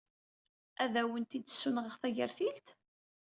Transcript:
Ad awent-d-ssunɣeɣ tagertilt?